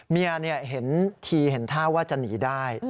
เมียเห็นทีเห็นท่าว่าจะหนีได้